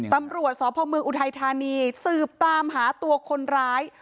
ตำรวจสพเมืองอุทัยธานีสืบตามหาตัวคนร้าย